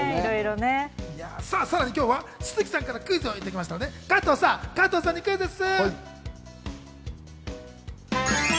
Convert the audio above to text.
さらに今日は鈴木さんからクイズをいただきましたので、加藤さんにクイズッス。